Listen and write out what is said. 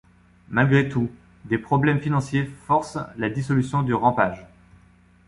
Malgré tout, des problèmes financiers forcent la dissolution du Rampage.